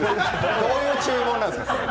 どういう注文なんですか。